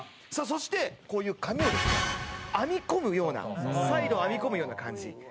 さあそしてこういう髪をですね編み込むようなサイドを編み込むような感じ。